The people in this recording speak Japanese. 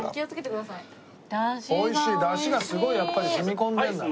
だしがすごいやっぱり染み込んでるんだね。